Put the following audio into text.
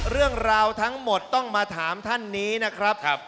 เรื่องราวทั้งหมดต้องมาถามท่านนี้นะครับ